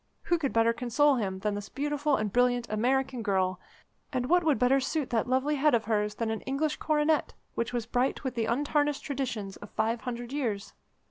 Who could better console him than this beautiful and brilliant American girl, and what would better suit that lovely head of hers than an English coronet which was bright with the untarnished traditions of five hundred years?